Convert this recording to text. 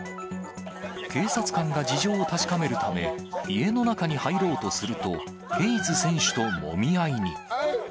警察官が事情を確かめるため、家の中に入ろうとすると、ヘイズ選手ともみ合いに。